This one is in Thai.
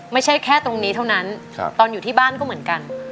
ไม่ใช่แค่ตรงนี้เท่านั้นตอนอยู่ที่บ้านก็เหมือนกัน